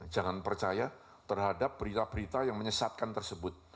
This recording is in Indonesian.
jangan percaya terhadap berita berita yang menyesatkan tersebut